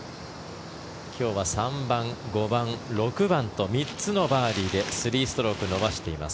今日は３番、５番、６番と３つのバーディーで３ストローク伸ばしています。